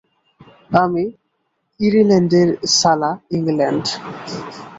আমি ইরেল্যান্ডের - সালা ইংল্যান্ড!